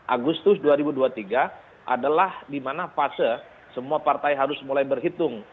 agustus dua ribu dua puluh tiga adalah di mana fase semua partai harus mulai berhitung